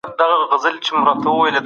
بهرنۍ تګلاره بې له قانوني چوکاټ نه نه ده.